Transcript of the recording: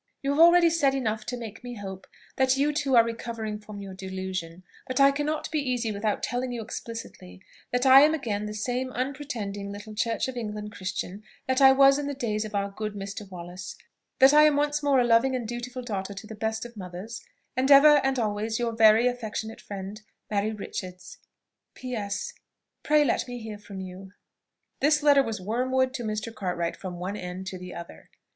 "You have already said enough to make me hope that you too are recovering from your delusion; but I cannot be easy without telling you explicitly, that I am again the same unpretending little Church of England Christian that I was in the days of our good Mr. Wallace; that I am once more a loving and dutiful daughter to the best of mothers, and ever and always your very "Affectionate friend, "MARY RICHARDS." "P. S. Pray let me hear from you." This letter was wormwood to Mr. Cartwright from one end to the other.